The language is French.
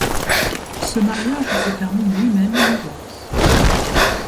Ce mariage se termine lui-même en divorce.